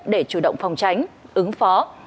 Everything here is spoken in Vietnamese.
để chủ động phòng tránh ứng phó